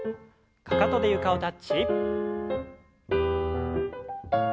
かかとで床をタッチ。